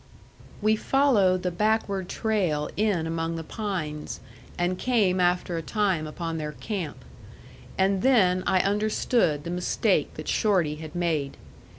We followed the backward trail in among the pines, and came after a time upon their camp. And then I understood the mistake that Shorty had made.